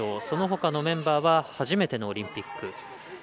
そのほかのメンバーは初めてのオリンピック。